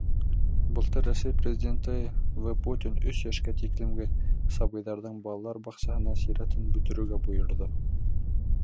Былтыр Рәсәй Президенты В. Путин өс йәшкә тиклемге сабыйҙарҙың балалар баҡсаһына сиратын бөтөрөргә бойорҙо.